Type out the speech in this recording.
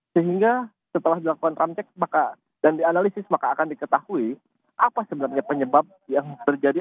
sehingga setelah dilakukan ram cek dan dianalisis maka akan diketahui apa sebenarnya penyebab yang terjadi